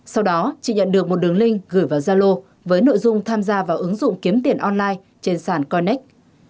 sau đó chỉ nhận được một đường link gửi vào gia lô với nội dung tham gia vào ứng dụng kiếm tiền online trên sàn coinex